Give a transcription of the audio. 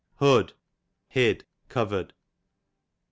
Hud, hid, covered.